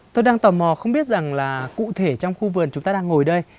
tôi đang tò mò không biết rằng là cụ thể trong khu vườn chúng ta đang ngồi đây